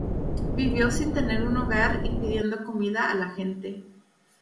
Vivió sin tener un hogar y pidiendo comida a la gente.